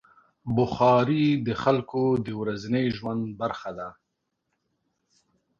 بخاري د خلکو د ورځني ژوند برخه ده.